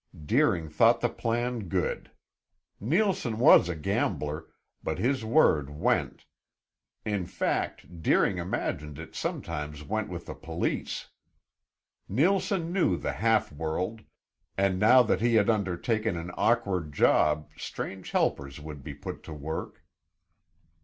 Deering thought the plan good. Neilson was a gambler, but his word went; in fact, Deering imagined it sometimes went with the police. Neilson knew the half world, and now that he had undertaken an awkward job strange helpers would be put to work.